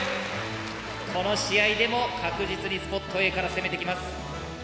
この試合でも確実にスポットＡから攻めてきます。